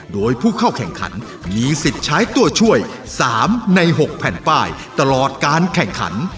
โดยผู้เข้าแข่งขันมีสิทธิ์ใช้ตัวช่วย๓ใน๖แผ่นป้ายตลอดการแข่งขัน